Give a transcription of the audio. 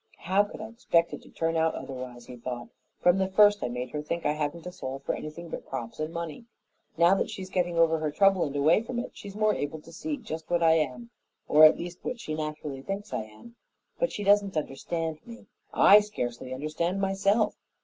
"How could I expect it to turn out otherwise?" he thought. "From the first I made her think I hadn't a soul for anything but crops and money. Now that she's getting over her trouble and away from it, she's more able to see just what I am, or at least what she naturally thinks I am. But she doesn't understand me I scarcely understand myself.